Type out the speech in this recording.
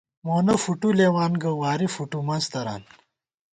مونہ فُٹُولېوان گہ واری فُٹُومنز تران